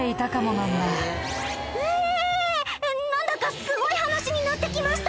なんだかすごい話になってきましたね。